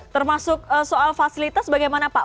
termasuk soal fasilitas bagaimana pak